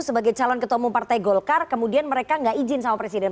sebagai calon ketemu partai golkar kemudian mereka gak izin sama presiden